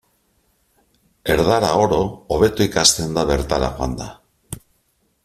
Erdara oro hobeto ikasten da bertara joanda.